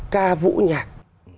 ca vũ nhạc